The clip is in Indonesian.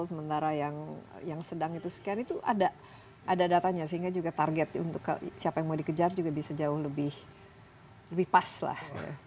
sementara yang sedang itu sekian itu ada datanya sehingga juga target untuk siapa yang mau dikejar juga bisa jauh lebih pas lah